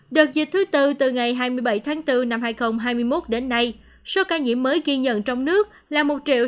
đợt dịch thứ tư từ ngày hai mươi bảy tháng bốn năm hai nghìn hai mươi một đến nay số ca nhiễm mới ghi nhận trong nước là một sáu trăm một mươi năm hai trăm chín mươi hai